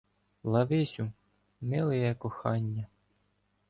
Лависю, милеє кохання!